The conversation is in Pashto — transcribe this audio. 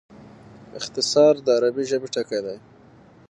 اختصار د عربي ژبي ټکی دﺉ.